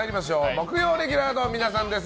木曜レギュラーの皆さんです。